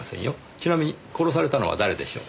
ちなみに殺されたのは誰でしょう？